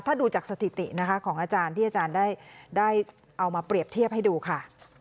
ถ้าดูจากสถิตินะคะของอาจารย์ที่อาจารย์ได้เอามาเปรียบเทียบให้ดูค่ะ